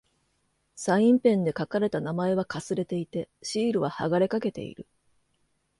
サインペンで書かれた名前は掠れていて、シールは剥がれかけている。